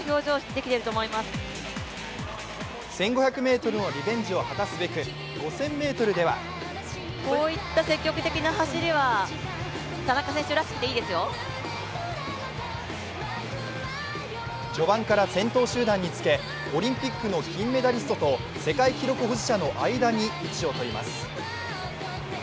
１５００ｍのリベンジを果たすべく、５０００ｍでは序盤から先頭集団につけオリンピックの金メダリストと世界記録保持者の間に位置を取ります。